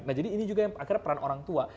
nah jadi ini juga yang akhirnya peran orang tua